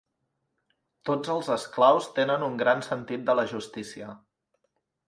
Tots els esclaus tenen un gran sentit de la justícia.